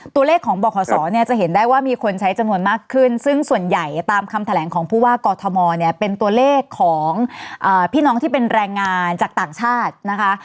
ตัวเลขของบขศเนี่ยจะเห็นได้ว่ามีคนใช้จำนวนมากขึ้นซึ่งส่วนใหญ่ตามคำแถลงของผู้ว่ากอทมเนี่ยเป็นตัวเลขของพี่น้องที่เป็นแรงงานจากต่างชาตินะคะ